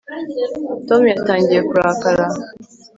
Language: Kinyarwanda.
tom yatangiye kurakara